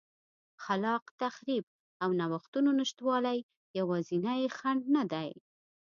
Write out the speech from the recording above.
خلاق تخریب او نوښتونو نشتوالی یوازینی خنډ نه دی